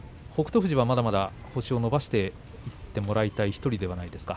富士はまだまだ星を伸ばしていってもらいたい１人じゃないですか。